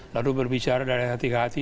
lalu berbicara dari hati ke hati